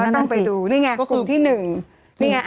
ต้องไปดูนี่ไงกลุ่มที่๑